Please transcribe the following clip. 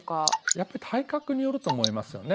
やっぱり体格によると思いますよね。